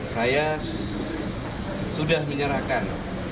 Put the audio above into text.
saya sudah menyerahkan